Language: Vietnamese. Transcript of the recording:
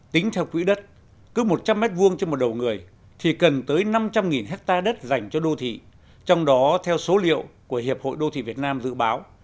tính theo quỹ đất cứ một trăm linh m hai trên một đầu người thì cần tới năm trăm linh hectare đất dành cho đô thị trong đó theo số liệu của hiệp hội đô thị việt nam dự báo